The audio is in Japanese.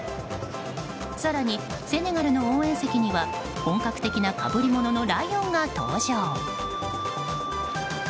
更に、セネガルの応援席には本格的な被り物のライオンが登場。